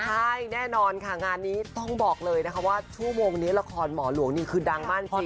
ใช่แน่นอนค่ะงานนี้ต้องบอกเลยนะคะว่าชั่วโมงนี้ละครหมอหลวงนี่คือดังมากจริง